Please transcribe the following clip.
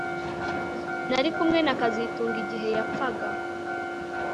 Nari kumwe na kazitunga igihe yapfaga